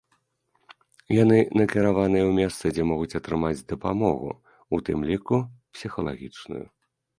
Яны накіраваныя ў месца, дзе могуць атрымаць дапамогу, у тым ліку псіхалагічную.